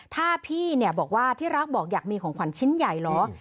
ถ้าพี่เนี่ยบอกว่าที่รักบอกอยากมีของขวัญชิ้นใหญ่เหรอ